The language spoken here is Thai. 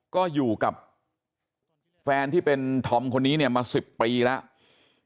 ก็อยู่กับแฟนที่เป็นธอมคนนี้เนี่ยมา๑๐ปีแล้ว